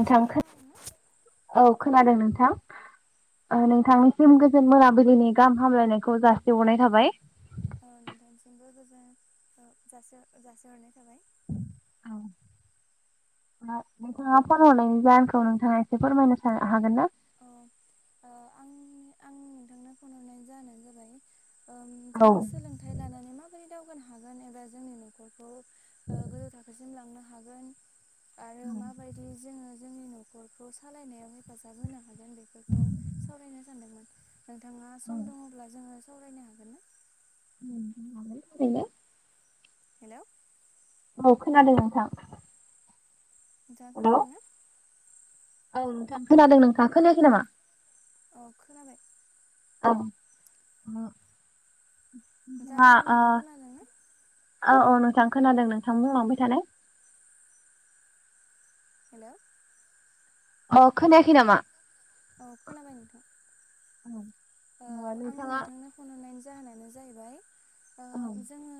नोंथां ओ औ खोनादों नोंथां नोंथांनिसिम गोजोन मोनाबिलिनि गाहाम हामलायनायखौ जासिहरनाय थाबाय औ नोंथांसिमबो गोजान जासिहरनाय थाबाय औ नोंथाङा फन हरनायनि जाहोनखौ नोंथाङा एसे फोरमायनो हागोन ना अ आं आं नोंथांनो फन हरनाय जाहोनानो जाबाय ओं जों औ सोलोंथाइ लानानै माबोरै दावगानो हागोन एबा जोंनि न'खरखौ गोजौ थाखोसिम लांनो हागोन आरो माबायदि जोङो जोंनि न'खरखौ सालायनायाव हेफाजाब होना हागोन बेफोरखौ सावरायनो सानदोंमोन। नोंथाङा सम दङब्ला जोङो सावरायनो हागोन ना? ओरैनो हेल' औ खोनादों नोंथां। नोंथांआ हेल' खोनादोंना? औ नोंथां खोनादों नोंथ खोनायाखै नामा अ खोनाबाय नोंथाङा आं बुंनायखौ औ खोनादोंना? औ औ नोंथां खोनादों नोंथां बुंलांबाय थालाय हेल' अ खोनायाखै नामा औ खोनाबाय नोंथां औ ओ आं नोंथांनो फन हरनायनि जाहोनानो औ जाहैबाय जोङो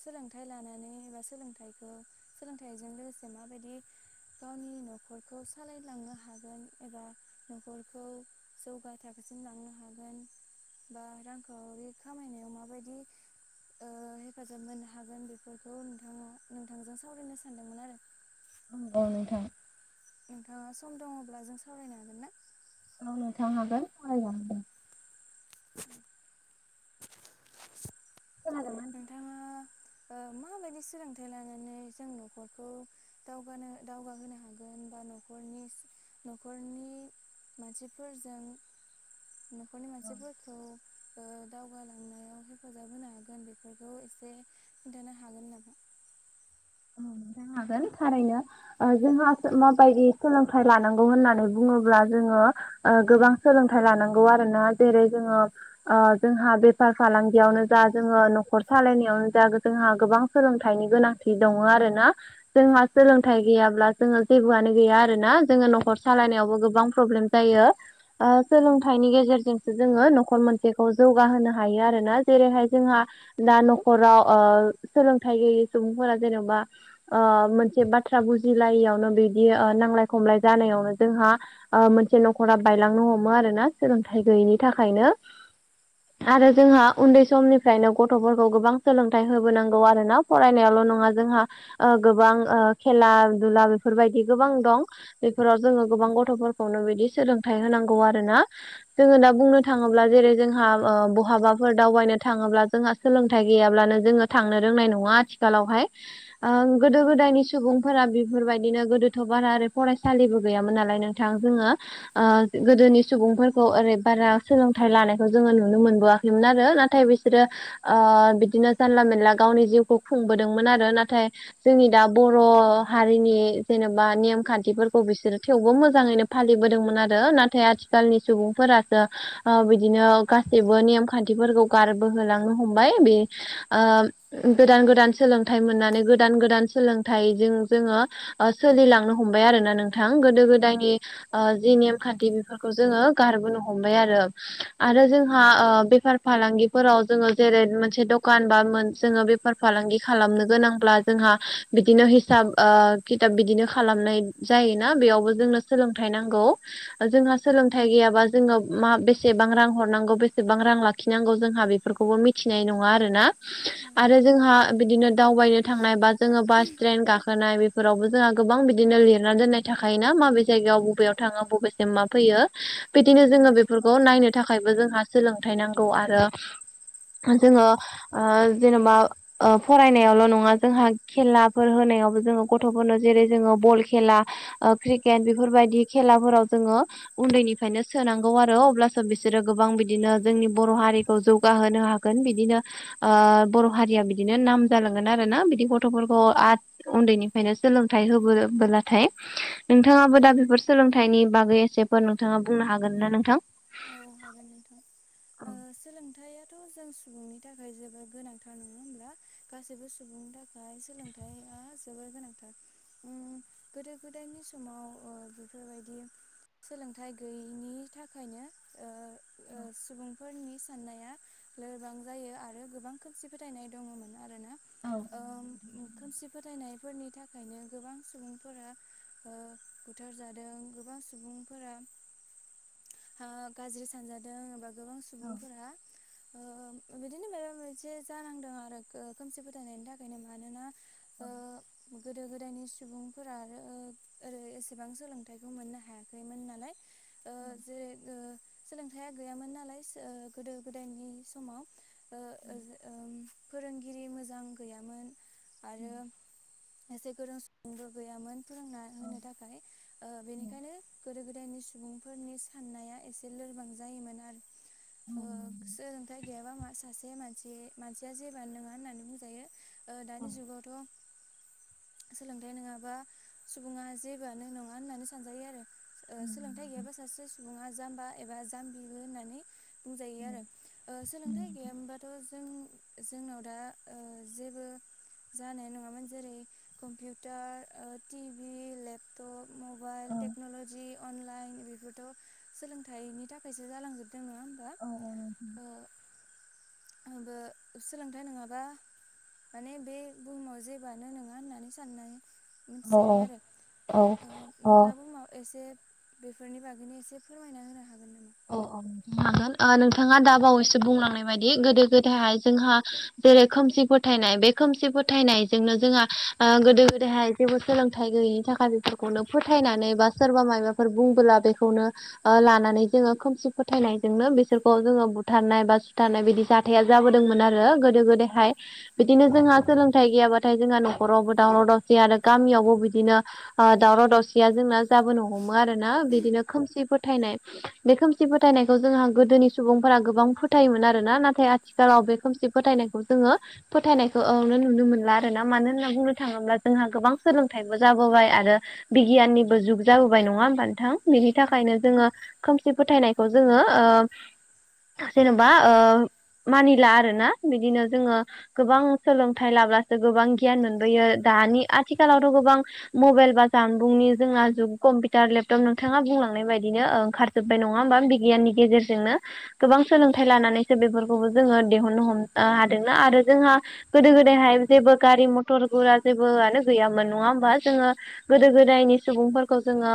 सोलोंथाइ लानानै एबा सोलोंथाइखौ सोलोंथाइजों लोगोसे माबायदि गावनि न'खरखौ सालायलांनो हागोन एबा न'खरखौ जौगा थाखोसिम लांनो हा थांगोन बा रांखावरि खामायनायाव माबायदि हेफाजाब मोननो हागोन बेफोरखौ नोंथाङा नोंथांजों सावरायनो सानदोंमोन आरो औ नोंथां नोंथाङा सम दङब्ला जों सावरायनो हागोनना औ नोंथां हागोन फरायलांदो खोनादोंना नोंथाङा माबायदि सोलोंथाइ लानानै जों न'खरखौ दावगानो दावगाहोनो हागोन बा नखरनि न'खरनि मानसिफोरजों न'खरनि मानसिफोरखौ दावगालांनायाव हेफाजाब होनो हागोन बे बेफोरखौ एसे खिन्थानो हागोन नामा औ हागोन थारैनो जोंहा माबायदि सोलोंथाइ लानांगौ होननानै बुङोब्ला जोङो गोबां सोलोंथाइ लानांगौ आरोना जेरै जोङो जोंहा बेफार फालांगियावनो जा जोङो न'खर सालायनायावनो जा जोंहा गोबां सोलोंथाइनि गोनांथि दङ आरोना जोंहा औ सोलोंथाइ गैयाब्ला जोङो जेबोआनो गैया आरोना जोङो न'खर सालायनायावबो गोबां प्रब्लेम जायो औ सोलोंथाइनि गेजेरजोंसो जोङो न'खर मोनसेखौ जौगाहोनो हायो आरोना जेरैहाय जोंहा दा न'खराव सोलोंथाइ गैयै सुबुंफोरा जेन'बा मोनसे बाथ्रा बुजिलायियावनो बिदि नांलाय खमलाय जानायावनो जोंहा मोनसे न'खरा बायलांनो हमो आरो ना सोलोंथाइ गैयैनि थाखायनो आरो जोंहा उन्दै समनिफ्रायनो गथ'फोरखौ गोबां सोलोंथाइ होबोनांगौ आरोना फरायनायावल' नङा जोंहा गोबां खेला दुला बेफोरबायदि गोबां दं बेफोराव जोङो गोबां गथ'फोरखौनो बिदि सोलोंथाइ होनांगौ आरोना जोङो दा बुंनो थाङोब्ला जेरै जोंहा बहाबाफोर दावबायनो थाङोब्ला जोंहा सोलोंथाइ गैयाब्लानो जोङो थांनो रोंनाय नङा आथिखालावहाय गोदो औ गोदायनि सुबुं फोरा बेफोरबायदिनो गोदोथ' बारा ओरै फरायसालिबो गैयामोन नालाय नोंथां जोङो गोदोनि सुबुंफोरखौ ओरै बारा सोलोंथाइ लानायखौ जोङो नुनो मोनबोआ मोन आरो नाथाय बिसोरो बिदिनो जानला मोनला गावनि जिउखौ खुंबोदोंमोन आरो नाथाय जोंनि दा बर' हारिनि जेनेबा नेम खान्थिफोरखौ बिसोरो थेवबो मोजाङैनो फालिबोदोंमोन आरो नाथाय आथिखालनि सुबुंफोरासो बिदिनो गासैबो नेम खान्थिफोरखौ गारबोहोलांनो हमबाय बे गोदान गोदान सोलोंथाइ मोननानै गोदान गोदान सोलोंथाइजों जोङो सोलिलांनो हमबाय आरोना नोंथां गोदो गोदायनि जि नेमखान्थि बेफोरखौ जोङो गारबोनो हमबाय आरो आरो जोंहा बेफार फालांगिफोराव जोङो जेरै मोनसे दखान बा मोन जोङो बे फालांगि खालामनो गोनांब्ला जोंहा बिदिनो हिसाब खिथाब बिदिनो खालामनाय जायोना बेयावबो जोंनो सोलोंथाइ नांगौ जोंहा औ सोलों थाइ गैयाबा जोङो मा बेसेबां रां हरनांगौ बेसेबां रां लाखिनांगौ जोंहा बे फोरखौबो मिथिनाय नङा आरोना आरो जोंहा बिदिनो दावबायनो थांनाय बा जोङो बास ट्रेन गाख ानाय बेफोरावबो जोंहा गोबां बिदिनो लिरना दोननाय थाखायोना माबे जायगायाव बबेयाव थाङो बबे मा फैयो बिदिनो औ जोङो बे खौ नायनो थाखायबो जोंहा सोलोंथाइ नांगौ आरो जोङो जेनेबा फरायनायावल' नङा जोंहा खेलाफोर होनायावबो जोङो गथ'फोरनो जेरै जोङो बल खेला क्रिकेट बेफोरबायदि खेलाफोराव जोङो उन्दैनिफ्रायनो सोनांगौ आरो अब्लासो बिसोरो गोबां बिदिनो जोंनि बर' हारिखौ जौगाहोनो ह बिदिनो बर' हारिया बिदिनो नाम जालांगोन आरो ना बिदि गथ'फोरखौ उन्दैनिफ्रायनो सोलोंथायाइ होबोबोलाथाय नोंथाङाबो दा बेफोर सोलोंथाइनि बागै एसेफोर नोंथाङा बुंनो हागोन ना नोंथां औ हागोन नोंथां सोलोंथाइयाथ' जों सुबुंनि थाखाय जोबोर गोनांथार नङा होमब्ला गासैबो सुबुंनि थाखाय सोलोंथाइया जोबोर गोनांथार गोदो गोदायनि समाव बेफोरबायदि सोलोंथाइ गैयैनि थाखायनो सुबुंफोरनि साननाया लोरबां जायो आरो गोबां खोमसि फोथायनाय दङमोन आरोना औ खोमसि फोथायनायफोरनि थाखायनो गोबां सुबुंफोरा बुथारजादों गोबां सुबुं सुबुंफोरा गाज्रि सानजादों एबा गोबां औ सुबुंफोरा बिदिनो माबा मोनसे जानांदों आरो खोमसि फोथायनायनि थाखायनो मानोना ओ गोदो गोदायनि सुबुंफोरा आरो ओरै एसेबां सोलोंथाइखौ मोननो हायाखैमोन नालाय जेरै सोलोंथाइया गैयामोन नालाय गोदो गोदायनि समाव फोरोंगिरि मोजां गैयामोन आरो एसे गोरों सुबुंुंबो गैयामोन फोरोंना होनो थाखाय बेनिखायनो गोदो गोदायनि सुबुंफोरनि साननाया एसे एसे लोरबां जायोमोन आरो सोलोंथाइ गैयाबा मा सासे मानसि मानसिया जेबो नङा होननानै बुंजायो औ दानि जुगावथ' सोलोंथाइ नङाबा सुबुङा जेबो नों नङा होननानै सानजायो आरो सोल थाय गैयाबा सासे सुबुङा जाम्बा एबा जाम्बिबो होननानै बुंजायो आरो ओ औ सोलोंथाइ गैयामोनबा थ' जों जोंनाव दा जेबो जानाय नङामोन जेरै computer TV laptop' mobile technology online बेथ' सोलों फिथाइनि थाखायसो जालांजोबदों नङा होमबा? आंबो सोलोंथाइ नङाबा माने बे बुहुमाव जेबोआनो नङा होननानै साननाय मिथिजायो आरो नोंथाङा ब एसे बेफोरनि बागैनो एसे फोरमायना होनो हागोन नामा औ औ ननो हागोन नोंथाङा दा बावैसो बुंलांनाय बायदि गोदो गोदायहाय जोंहा जेरै खोमसि फोथायनाय बे खोमसि फोथायनायजोंनो जोंहा गोदो गोदायहाय जेबो सोलोंथाइ गैयिनि थाखाय बेफोरखौनो फोथायनानै बा सोरबा माबाफोर बुंबोला बेखौनो आ लानाानानै जोङो खोमसि फोथायनायजोंनो बिसोरखौ जोङो बुथारनाय बा सुथारनाय बिदि जाथाया जाबोदोंमोन आरो गोदो गोदाय हाय। बिदिनो जोंहा सोलोंथाइ गैयाबाथाय जोंहा न'खरावबो दावराव दावसि आरो गामियावबो बिदिनो दावराव दावसिया जोंना जाबोनो हमो आरो ना बिदिनो खोमसि फोथायनाय। बे खोमसि फोथायनायखौ जोंहा गोदोनि सुबुंफोरा गोबां फोथायोमोन आरोना नाथाय औ आथिखालाव बे खोमसि फोथायनायखौ जोङो फोथायनायखौ ओ नुनो मोनला आरोना मानो होनना बुंनो थाङोब्ला जोंहा गोबां सोलोंथाइबो जाबोबाय आरो। बिगियाननिबो जुग जाबोबाय नङा होमबा नोथां बिनि औ थाखायनो जोङो खोमसि फोथायनायखौ जोङो ओ जेन'बा ओ मानिला आरोना। बिदिनो जोङो गोबां सोलोंथाइ लाब्लासो गोबां गियान मोनबोयो दानि आथिखालावथ' गोबां मबाइल बा जानबुंनि जोंना जुग कम्पिउटार लेपटप नोंथाङा बुंलांनाय बायदिनो ओंखार जोबबाय नङा होमबा बिगियाननि गेजेरजोंनो। गोबां औ सोलोंथाइ लानानै बेफोरखौबो जोङो दिहुननो हमनो हादोंना आरो जोंहा गोदो गोदायहाय जेबो गारि मथर गुरा जेबोआनो गैयामोन नङा होमबा जोङो। गोदो गोदायनि सुबुंफोरखौ जोङो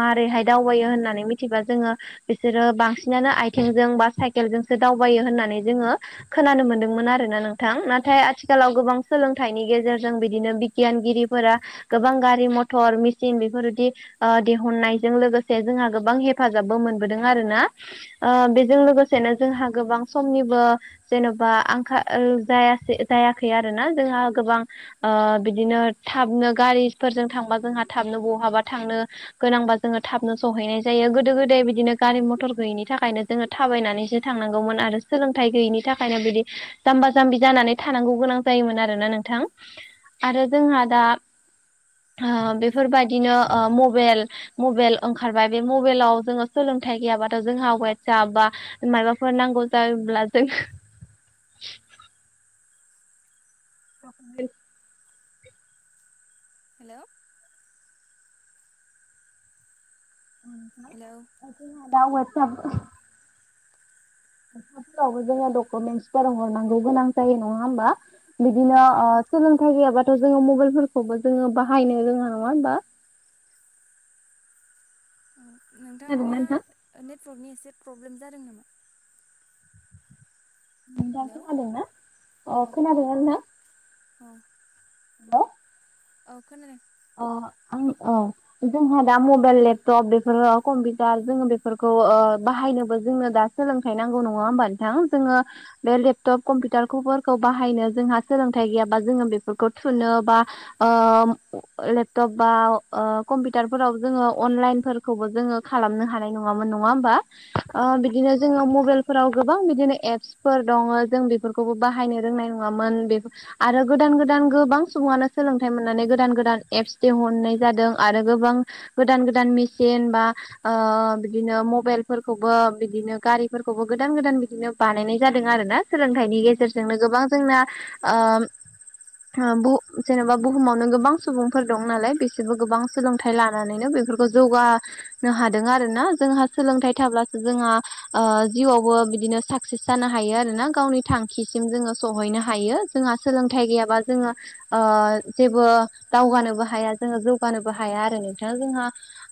मारैहाय दावबायो होननानै मिथिबा जोङो बिसोरो बांसिनानो आथिंजों बा साइकेलजोंसो दावबायो होननानै जोङो खोनानो मोनदोंमोन आरोना नोंथां। औ नाथाय आथिखालाव गोबां सोलोंथाइनि गेजेरजों बिदिनो बिगियानगिरिफोरा गोबां गारि मथर मेचिन बेफोरबायदि दिहुननायजों लोगोसे जोंहा गोबां हेफाजाबबो मोनबोदों आरोना। बेजों लोगोसेनो जोंहा गोबां समनिबो जेन'बा आंखाल जायासै जायाखै आरोना जोंहा गोबां बिदिनो थाबनो गारिफोरजों थांबा जोंहा थाबनो बहाबा थांनो गोनांबा जोङो थाबनो सहैनाय जायो। गोदो गोदाय बिदिनो गारि मथर गैयैनि थाखायनो जोङो थाबायनानैसो थांनांगौमोन आरो सोलोंथाइ गैयिनि थाखायनो बिदि जाम्बा जाम्बि जानानै थानांगौ गोनां जायोमोन आरोना नोंथां। आरो जोंहा दा बेफोरबायदिनो मबेल मबेल ओंखारबाय। बे मबेलाव जोङो सोलोंथाइ गैयाबाथ' जोंहा वाटसाप बा माबाफोर नांगौ जायोब्ला जों [inaudible] हेल'? हेलौ दउ [unintelligible] फसाफोरावबो जोङो डकुमेन्टसफोर हरनांगौ गोनां जायो नङा होमबा? औ बिदिनो सोलोंथाइ गैयाबाथ' जोङो मबाइलफोरखौबो जोङो बाहायनो रोङा नङा होमबा? उम उम। खोनादोंना नोंथा? नेटवर्कनि एसे प्रब्लेम जादों नामा? दा हेलौ खोनादोंना अ अह खोनादोंना नोंथा? औ। [unintelligible] औ खोनादों। अ आं अ। जोंहा दा मबाइल लेपटप बेफोरो कम्पिउटार जोङो बेफोरखौ ओ बाहायनोबो जोंनो दा सोलोंथाइ नांगौ नङा होमबा नोंथां? जोङो बे लेपटप कम्पिउटारफोरखौ बाहायनो जोंहा सोलोंथाइ गैयाबा जोङो बेफोरखौ थुनो बा ओ लेपटप बा कम्पिउटार फोराव जोङो अनलाइन फोरखौबो जोङो खालामनो हानाय नंङामोन‌ नङा होमबा औ बिदिनो जों ओ मबाइल फोराव गोबां बिदिनो एप्स। फोर दङ जों बेफोरखौबो बाहायनो रोंनाय नङामोन बे आरो गोदान गोदान गोबां सुबुङानो सोलोंथाइ मोननानै गोदान गोदान एप्स दि हरनाय जादों आरो गोबां गोदान गोदान मेचन बा ओ बिदिनो मबाइलफोरखौबो बिदिनो गारिफोरखौबो गोदान गोदान बिदिनो बानायनाय जादों आरो ना। सोलोंथाइनि उम गेजेरजोंनो गोबां जोंना ओम थां बु जेनेबा बुहुमावनो गोबां सुबुंफोर दं नालाय बिसोरबो गोबां सोलोंथाइ लानानैनो बेफोरखौ जौगा हादों आरोना जोंहा सोलोंथाइ थाब्लासो जोंहा ओ जिउआवबो बिदिनो साकसेस जानो हायो आरो ना गावनि थांखिसिम जोङो सहैनो हायो। जोंहा सोलोंथाइ गैयाबा जोङो ओ जेबो दावगानोबो हाया जोङो जौगानोबो हाया आरो नोंथाङा जोंहा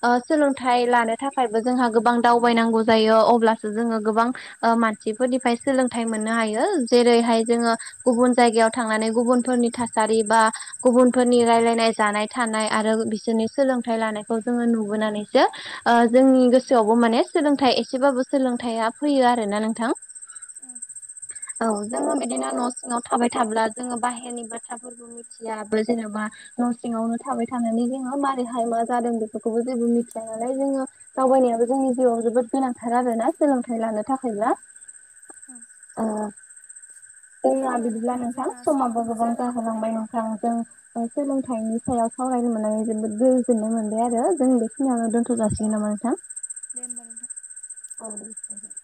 ओ सोलोंथाइ लानो थाखायबो जोंहा गोबां दावबायनांगौ जायो अब्लासो जोङो गोबां ओ मानसिफोरनिफ्राय सोलोंथाइ मोननो हायो जेरैहाय जोङो गुबुन जायगायाव थांनानै गुबुनफोरनि थासारि बा गुबुनफोरनि रायल नाय जानाय थानाय आरो बिसोरनि सोलोंथाइ लानायखौ जोङो नुबोनानैसो ओ जोंनि गोसोआवबो माने सोलोंथाइ एसेबाबो सोलोंथायाइया फैयो आरो ना नोंथां। [inaudible] औ जोङो बिदिनो न' सिङाव थाबाय थाब्ला जोङो बाहेरनि बाथ्राफोरखौ मिथियाबो जेन'बा न' सिङावनो थाबाय थानानै जोंहा माबोरैहाय मा जादों बेफोरखौबो जेबो मिथिया नालाय जोङो दावबायनायाबो जोंनि जिउआव जोबोद गोनांथार आरोना सोलोंथाइ लानो थाखायबा। औ दे जोंना होमबा बिदिब्ला नोंथां जोंना समाबो जालांबाय नालाय। थां जों सोलोंथाइनि सायाव सावरायनो मोननानै जोबोद गोजोननाय मोनबाय आरो जों बे औ सिनाव दोनथ' जासिगोन नामा नोंथां? दे होनबा नोंथां। औ